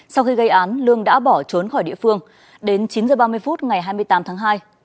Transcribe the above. sau khi gây án lương đã bỏ trốn khỏi địa phương đến chín h ba mươi phút ngày hai mươi tám tháng hai